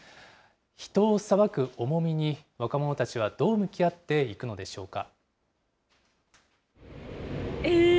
人を裁く重みに、若者たちはどう向き合っていくのでしょうか。